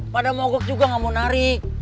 pada mogok juga nggak mau narik